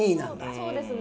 そうですね。